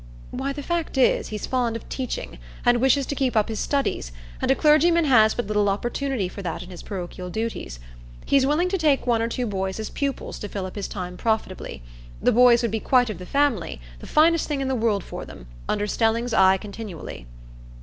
"Why, the fact is, he's fond of teaching, and wishes to keep up his studies, and a clergyman has but little opportunity for that in his parochial duties. He's willing to take one or two boys as pupils to fill up his time profitably. The boys would be quite of the family,—the finest thing in the world for them; under Stelling's eye continually."